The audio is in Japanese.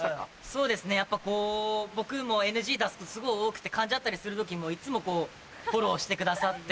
そうですねやっぱこう僕もＮＧ出すのすごい多くて噛んじゃったりする時もいつもフォローしてくださって。